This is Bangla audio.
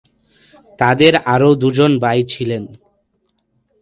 তাদের আরও দুজন ভাই ছিলেন।